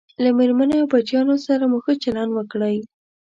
له میرمنې او بچیانو سره مو ښه چلند وکړئ